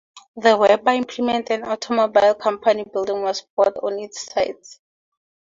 The Weber Implement and Automobile Company Building was built on its site.